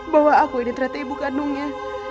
bawa aku ini ternyata ibu kandungnya